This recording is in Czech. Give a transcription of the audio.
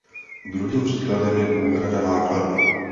Druhým příkladem je úhrada nákladů.